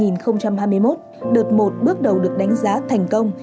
năm hai nghìn hai mươi một đợt một bước đầu được đánh giá thành công